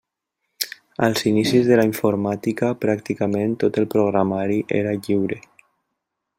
Als inicis de la informàtica, pràcticament tot el programari era lliure.